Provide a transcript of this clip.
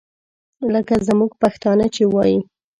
لکه زموږ پښتانه چې وایي.